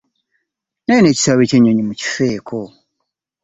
Naye n'ekisaawe ky'ennyonyi mukifeeko.